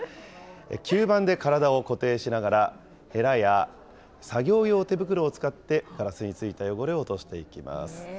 吸盤で体を固定しながら、へらや作業用手袋を使って、ガラスについた汚れを落としていきます。